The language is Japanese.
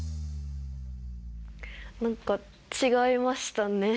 何か違いましたね。